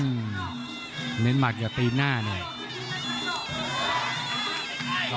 เน้นหมัดอย่าตีหน้าหน่อย